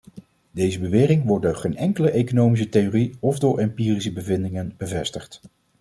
Deze bewering wordt door geen enkele economische theorie of door empirische bevindingen bevestigd.